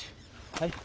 はい。